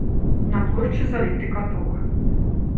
На плошчы заліты каток.